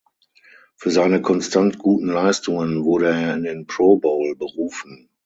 Für seine konstant guten Leistungen wurde er in den Pro Bowl berufen.